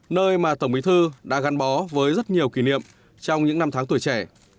nơi mà tổng bí thư đã gắn bó với rất nhiều kỷ niệm trong những năm tháng tuổi trẻ